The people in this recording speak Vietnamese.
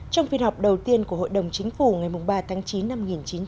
trong phiên họp đầu tiên của hội đồng chính phủ ngày ba tháng chín năm một nghìn chín trăm chín mươi